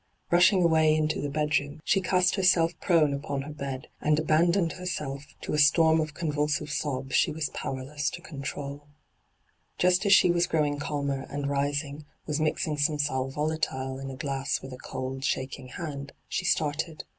Bushing away into the bedroom, she cast herself prone upon her bed, and abandoned herself to a storm 9—2 n,aN, .^hyG00glc 132 ENTRAPPED of ooDTulsive sobs she was powerless to oontrol. Just as she was growing calmer, and, rising, was mixing some sat volatile in a glass with a cold, shaking hand, she started.